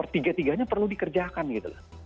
tiga tiganya perlu dikerjakan gitu loh